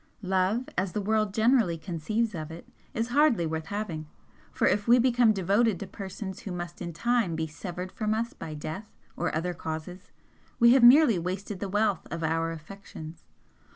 Love, as the world generally conceives of it, is hardly worth having for if we become devoted to persons who must in time be severed from us by death or other causes, we have merely wasted the wealth of our affections.